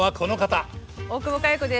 大久保佳代子です。